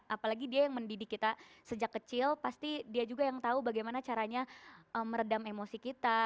apalagi dia yang mendidik kita sejak kecil pasti dia juga yang tahu bagaimana caranya meredam emosi kita